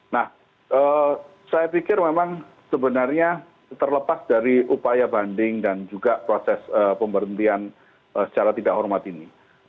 nah saya pikir memang sebenarnya terlepas dari upaya banding dan juga proses pemberhentian secara tidak hormat ini